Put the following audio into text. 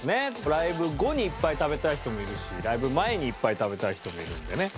ライブ後にいっぱい食べたい人もいるしライブ前にいっぱい食べたい人もいるんでね。